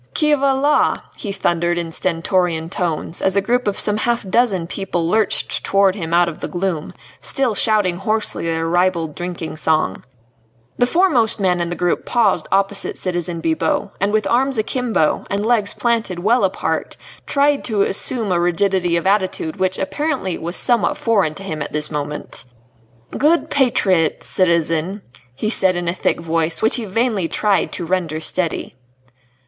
"Qui va la?" he thundered in stentorian tones as a group of some half dozen people lurched towards him out of the gloom, still shouting hoarsely their ribald drinking song. The foremost man in the group paused opposite citizen Bibot, and with arms akimbo, and legs planted well apart tried to assume a rigidity of attitude which apparently was somewhat foreign to him at this moment. "Good patriots, citizen," he said in a thick voice which he vainly tried to render steady.